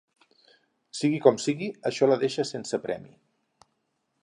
Sigui com sigui, això la deixa sense premi.